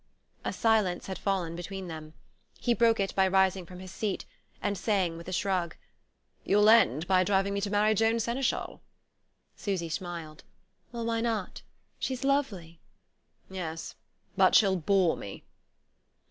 A silence had fallen between them. He broke it by rising from his seat, and saying with a shrug: "You'll end by driving me to marry Joan Senechal." Susy smiled. "Well, why not? She's lovely." "Yes; but she'll bore me."